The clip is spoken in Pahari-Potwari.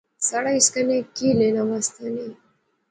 ساڑا اس کنے کی لینا واسطہ نئیں